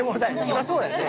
そりゃそうだよね。